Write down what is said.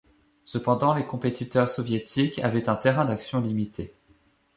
Cependant les compétiteurs soviétiques avaient un terrain d'action limité.